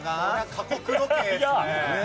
過酷ロケですね。